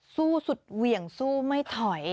สู้สุดเหวี่ยงสู้ไม่ถอย